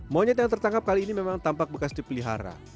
monyet yang tertangkap kali ini memang tampak bekas dipelihara